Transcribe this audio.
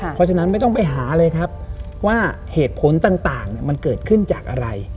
เพราะฉะนั้นไม่ต้องไปหาเลยครับว่าเหตุผลต่างมันเกิดขึ้นจากอะไร